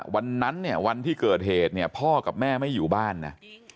วันนั้นเนี่ยวันที่เกิดเหตุเนี่ยพ่อกับแม่ไม่อยู่บ้านนะ